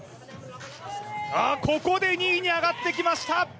ここで２位に上がってきました。